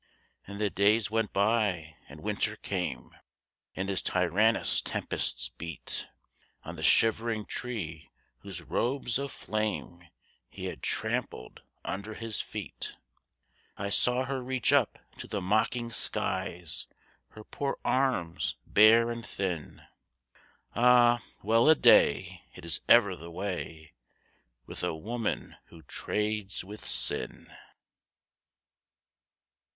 And the days went by and Winter came, And his tyrannous tempests beat On the shivering tree, whose robes of flame He had trampled under his feet. I saw her reach up to the mocking skies Her poor arms, bare and thin; Ah, well a day! it is ever the way With a woman who trades with sin.